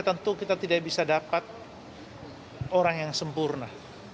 tentu kita tidak bisa dapat orang yang sempurna